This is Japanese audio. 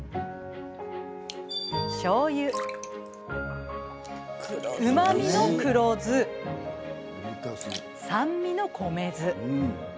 しょうゆうまみの黒酢酸味の米酢。